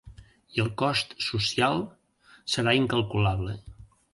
I el cost social, serà incalculable.